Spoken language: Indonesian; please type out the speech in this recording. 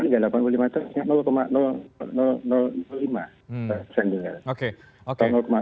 kalau dikira delapan puluh lima persatu lima persen juga